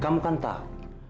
kamu kan tau